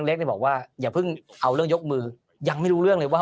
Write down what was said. เล็กเนี่ยบอกว่าอย่าเพิ่งเอาเรื่องยกมือยังไม่รู้เรื่องเลยว่า